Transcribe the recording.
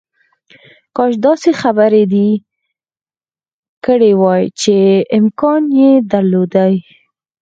کاش داسې خبره دې کړې وای چې امکان یې درلودای